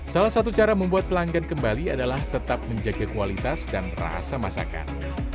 salah satu cara membuat pelanggan kembali adalah tetap menjaga kualitas dan rasa masakan